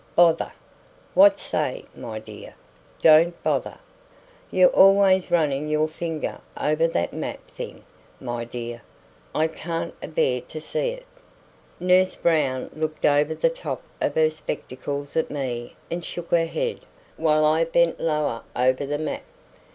"Bother!" "What say, my dear?" "Don't bother." "You're always running your finger over that map thing, my dear. I can't abear to see it." Nurse Brown looked over the top of her spectacles at me and shook her head, while I bent lower over the map.